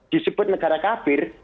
disebut negara kafir